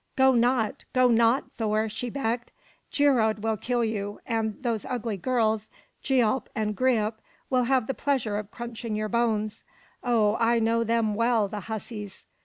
"Go not, go not, Thor!" she begged. "Geirröd will kill you, and those ugly girls, Gialp and Greip, will have the pleasure of crunching your bones. Oh, I know them well, the hussies!"